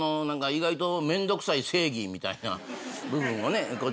意外とめんどくさい正義みたいな部分をね